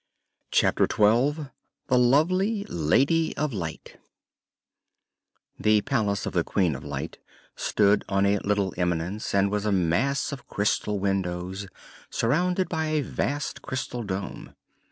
Chapter Twelve The Lovely Lady of Light The palace of the Queen of Light stood on a little eminence and was a mass of crystal windows, surmounted by a vast crystal dome.